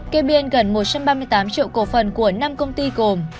kê biên gần một trăm ba mươi tám triệu cổ phần của năm công ty gồm